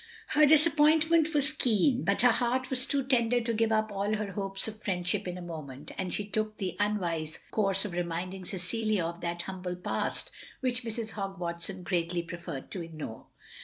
Her disappointment was keen, but her heart was too tender to give up all her hopes of friend ship in a moment, and she took the tmwise course of reminding Cecilia of that humble past, which Mrs. Hogg Watson greatly preferred to ignore.